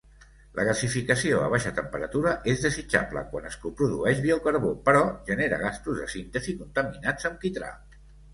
La gasificació a baixa temperatura és desitjable quan es coprodueix biocarbó, però genera gasos de síntesi contaminats amb quitrà.